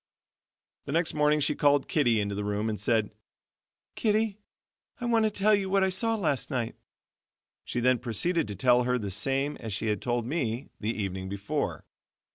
The next morning she called Kittie into the room and said: "Kittie, I want to tell you what I saw last night." She then proceeded to tell her the same as she had told me the evening before.